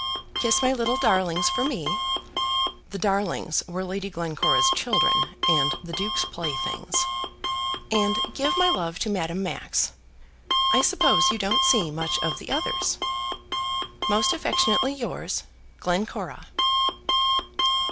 Kiss my little darlings for me, [the darlings were Lady Glencora's children, and the duke's playthings] and give my love to Madame Max. I suppose you don't see much of the others. Most affectionately yours, GLENCORA.